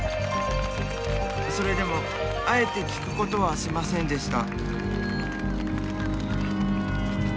それでもあえて聞くことはしませんでした。